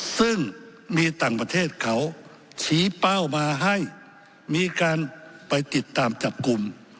ซึ่งมีต่างประเทศเขาชี้เป้ามาให้มีการไปติดตามจับกลุ่ม